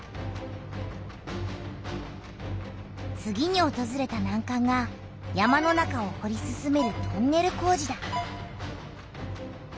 次におとずれたなんかんが山の中をほり進めるトンネル工事だ。